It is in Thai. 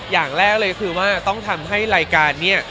อย่างแรกเลยคือว่าต้องทำให้รายการเนี่ย